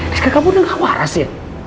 rizka kamu udah gak waras ya